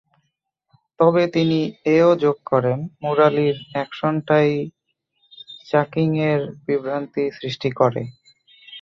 তবে তিনি এ-ও যোগ করেন, মুরালির অ্যাকশনটাই চাকিংয়ের বিভ্রান্তি সৃষ্টি করে।